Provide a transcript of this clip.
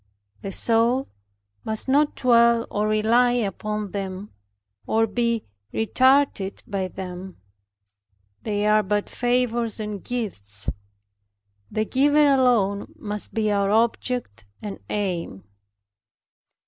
The soul must not dwell or rely upon them, or be retarded by them; they are but favors and gifts. The Giver alone must be our object, and aim.